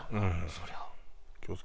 そりゃ。